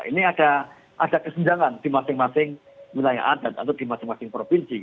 ini ada kesenjangan di masing masing wilayah adat atau di masing masing provinsi